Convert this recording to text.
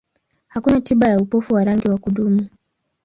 Hakuna tiba ya upofu wa rangi wa kudumu.